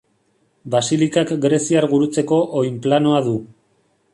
Basilikak greziar gurutzeko oinplanoa du.